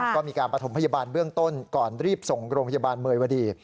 ก็มีการประถมพยาบาลเบื้องต้นก่อนรีบส่งโรงพยาบาลเมยวดี